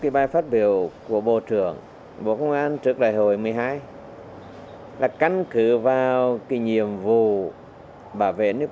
bài phát biểu của bộ trưởng bộ công an trước đại hội một mươi hai là căn cứ vào nhiệm vụ bảo vệ nước